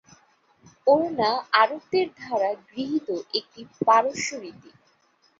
ওড়না আরবদের দ্বারা গৃহীত একটি পারস্য রীতি।